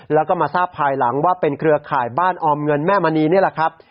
แล้วก็มาทราบภายหลังว่าเป็นเครือข่ายบ้านออมเงินแม่มณีนี่แหละครับ